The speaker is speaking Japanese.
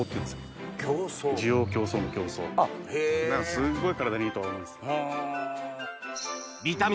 すっごい体にいいとは思うんです。